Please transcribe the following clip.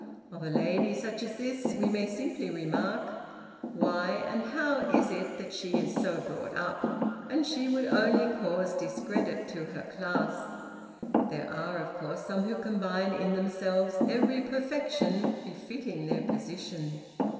Of a lady such as this we may simply remark, 'Why, and how, is it that she is so brought up?' and she would only cause discredit to her class. There are, of course, some who combine in themselves every perfection befitting their position.